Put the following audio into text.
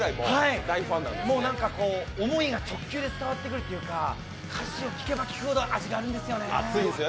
もう思いが直球で伝わってくるというか歌詞を聞けば聞くほど味があるんですよね。